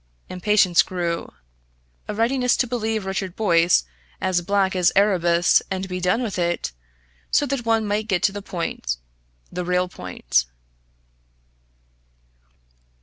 Impatience grew; a readiness to believe Richard Boyce as black as Erebus and be done with it, so that one might get to the point the real point.